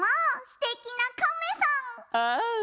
すてきなカメさん。